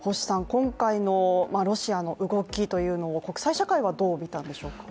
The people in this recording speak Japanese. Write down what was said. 今回のロシアの動きというのを国際社会はどう見たんでしょうか。